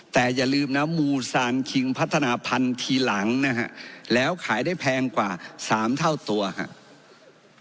แต่อย่าลืมนะมูซานคิงพัฒนาพันธุ์ทีหลังนะฮะแล้วขายได้แพงกว่า๓เท่าตัวครับ